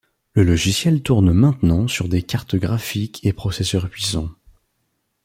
Le logiciel tourne maintenant sur des cartes graphiques et processeurs puissants.